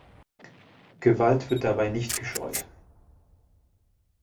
Gewalt wird dabei nicht gescheut.